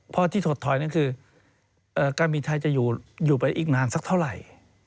เพราะที่ถดถอยนั่นคือการบินไทยจะอยู่ไปอีกนานสักเท่าไหร่